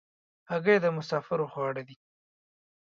هګۍ د مسافرو خواړه دي.